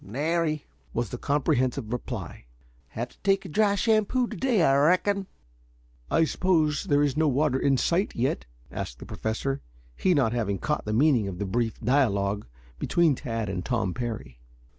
"Nary," was the comprehensive reply. "Have to take a dry shampoo to day, I reckon." "I suppose there is no water in sight yet?" asked the Professor, he not having caught the meaning of the brief dialogue between Tad and Tom Parry.